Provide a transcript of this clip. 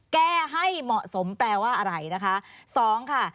แก้ให้เหมาะสมแปลว่าอะไรนะคะ